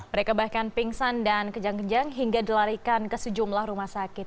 mereka bahkan pingsan dan kejang kejang hingga dilarikan ke sejumlah rumah sakit